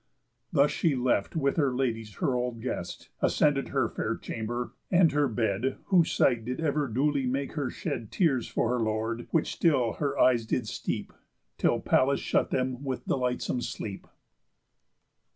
Thus left she with her ladies her old guest, Ascended her fair chamber, and her bed, Whose sight did ever duly make her shed Tears for her lord; which still her eyes did steep, Till Pallas shut them with delightsome sleep.